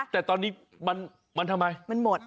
แต่ตอนนี้มันทำไมมันหมด